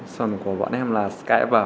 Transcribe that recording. sản phẩm của bọn em là skype